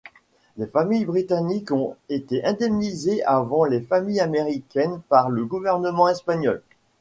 Les familles britanniques ont été indemnisées avant les familles américaines par le gouvernement espagnol.